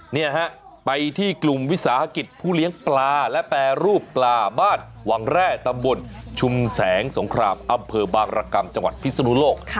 นี่ฮะไปที่กลุ่มวิสาหกิจผู้เลี้ยงปลาและแปรรูปปลาบ้านวังแร่ตำบลชุมแสงสงครามอำเภอบางรกรรมจังหวัดพิศนุโลก